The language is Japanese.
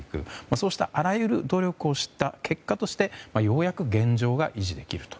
そうしたあらゆる努力をした結果としてようやく現状が維持できると。